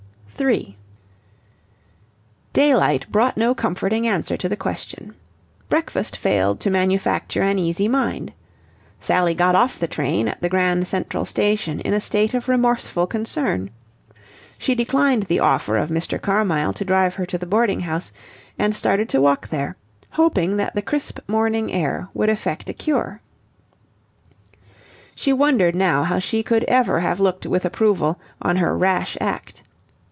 3 Daylight brought no comforting answer to the question. Breakfast failed to manufacture an easy mind. Sally got off the train, at the Grand Central station in a state of remorseful concern. She declined the offer of Mr. Carmyle to drive her to the boarding house, and started to walk there, hoping that the crisp morning air would effect a cure. She wondered now how she could ever have looked with approval on her rash act.